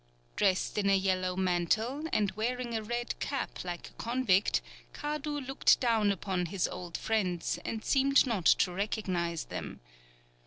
Dressed in a yellow mantle, and wearing a red cap like a convict, Kadu looked down upon his old friends, and seemed not to recognize them.